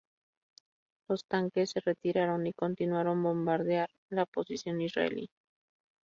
Los tanques se retiraron y continuaron bombardear la posición israelí.